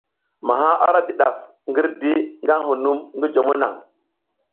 Maha ara di ɗaf ngirdi nga hunum ngi jomo naŋ.